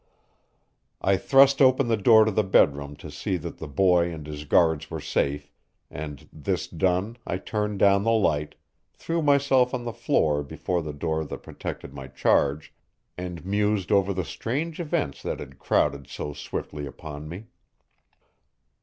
I thrust open the door to the bedroom to see that the boy and his guards were safe, and this done I turned down the light, threw myself on the floor before the door that protected my charge, and mused over the strange events that had crowded so swiftly upon me.